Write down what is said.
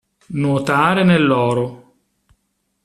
Nuotare nell'oro.